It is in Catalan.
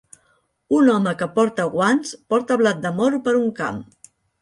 Un home que porta guants porta blat de moro per un camp.